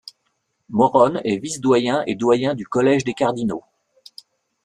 Morone est vice-doyen et doyen du Collège des cardinaux.